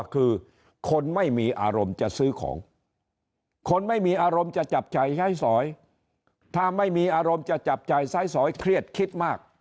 คนไม่มีอารมณ์จะจับจ่ายใช้สอยถ้าไม่มีอารมณ์จะจับจ่ายใช้สอยเครียดคิดมาก